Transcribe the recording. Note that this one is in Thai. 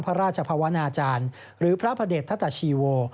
พระราชภาวนาจารย์หรือพระพระเด็จทัตชีโว